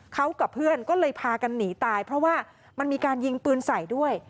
เขากับเพื่อนก็เลยพากันหนีตายเพราะว่ามันมีการยิงปืนใส่ด้วย